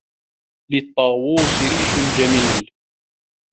لِلْطَّاوُوسِ رِيشٌ جَمِيلٌ.